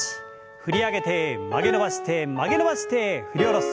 振り上げて曲げ伸ばして曲げ伸ばして振り下ろす。